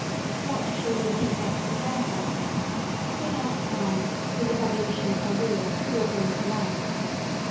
What shall be the defects of their qualities, no doubt Time, with the revolution of her wheel, will bring to light.